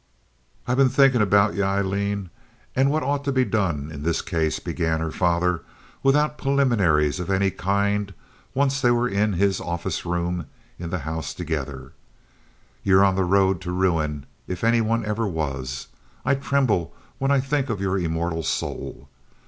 "I've been thinkin' about ye, Aileen, and what ought to be done in this case," began her father without preliminaries of any kind once they were in his "office room" in the house together. "You're on the road to ruin if any one ever was. I tremble when I think of your immortal soul.